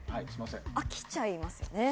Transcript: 飽きちゃいますよね。